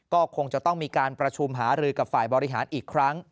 ก็คงจะต้องมีการประชุมหารือกับฝ่ายบริหารอีกครั้ง